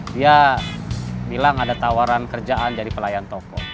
dia bilang ada tawaran kerjaan jadi pelayan toko